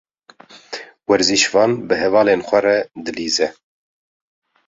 Werzişvan bi hevalên xwe re dilîze.